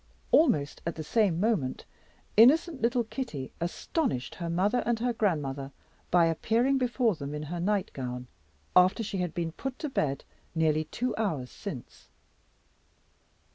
Almost at the same moment, innocent little Kitty astonished her mother and her grandmother by appearing before them in her night gown, after she had been put to bed nearly two hours since.